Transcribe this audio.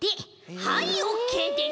はいオッケーです。